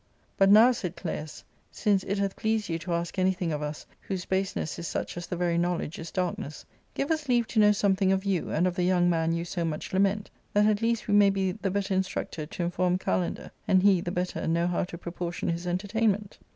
' But now," said Claius, " since it hath • pleaseJyouto ask anything of us, whose baseness is such as the very knowledge is darkness, give us leave to know some thing of you and of the young man you so much lament, that at least we may be the better instructed to inform Kalander, and he tiie better know Jiow to proportion his entertainment."